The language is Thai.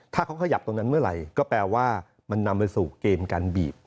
ถ้าเขาขยับตรงนั้นเมื่อไหร่ก็แปลว่ามันนำไปสู่เกมการบีบ